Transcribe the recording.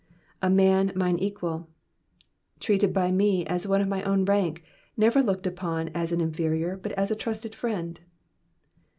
^'A man mine equaZ.^^ Treated by me as one of my own rank, never looked upon as an inferior, but as a trusted friend.